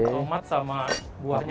tomat sama buahnya